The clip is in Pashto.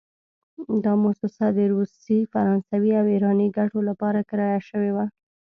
دا موسسه د روسي، فرانسوي او ایراني ګټو لپاره کرایه شوې وه.